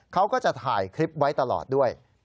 เขาก็จะถ่ายคลิปไว้ตลอดด้วย